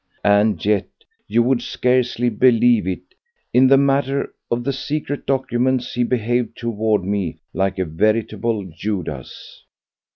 And yet, you would scarcely believe it, in the matter of the secret documents he behaved toward me like a veritable Judas!